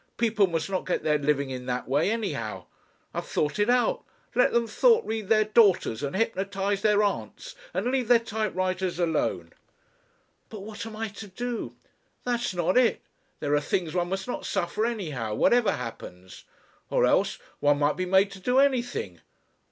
People must not get their living in that way anyhow. I've thought it out. Let them thought read their daughters and hypnotise their aunts, and leave their typewriters alone." "But what am I to do?" "That's not it. There are things one must not suffer anyhow, whatever happens! Or else one might be made to do anything.